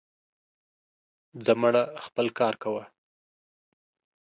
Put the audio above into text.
زه مړه, خپل کار کوه.